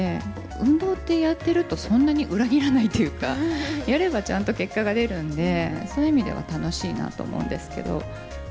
運動って、やってると、そんなに裏切らないというか、やればちゃんと結果が出るので、そういう意味では楽しいなと思うんですけど。